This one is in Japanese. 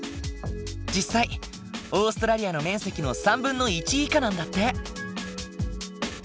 実際オーストラリアの面積の３分の１以下なんだって。